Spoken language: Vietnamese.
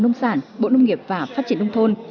nông sản bộ nông nghiệp và phát triển nông thôn